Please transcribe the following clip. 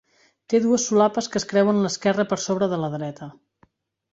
Té dues solapes que es creuen l'esquerra per sobre de la dreta.